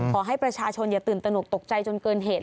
ขอให้ประชาชนอย่าตื่นตนกตกใจจนเกินเหตุ